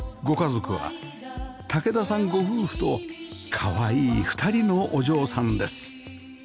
ご家族は武田さんご夫婦とかわいい２人のお嬢さんです